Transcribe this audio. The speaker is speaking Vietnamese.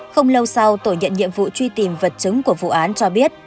không lâu sau tổ nhận nhiệm vụ truy tìm vật chứng của vụ án cho biết